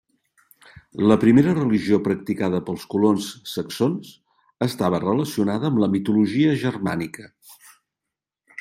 La primera religió practicada pels colons saxons estava relacionada amb la mitologia germànica.